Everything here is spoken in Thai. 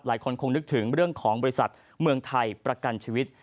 คงนึกถึงเรื่องของบริษัทเมืองไทยประกันชีวิต